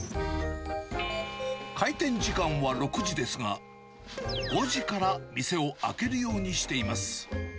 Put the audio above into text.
開店時間は６時ですが、５時から店を開けるようにしています。